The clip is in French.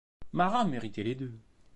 Marat méritait les deux.